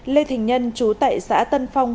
lê thình nhân trú tại xã tân phong